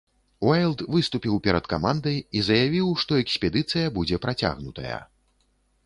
Уайлд выступіў перад камандай і заявіў, што экспедыцыя будзе працягнутая.